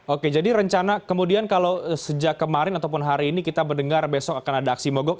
oke jadi rencana kemudian kalau sejak kemarin ataupun hari ini kita mendengar besok akan ada aksi mogok